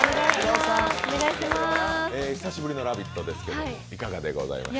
久しぶりの「ラヴィット！」ですけども、いかがでございますか？